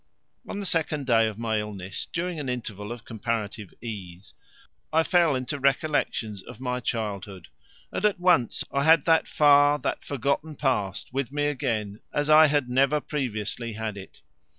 On the second day of my illness, during an interval of comparative ease, I fell into recollections of my childhood, and at once I had that far, that forgotten past with me again as I had never previously had it.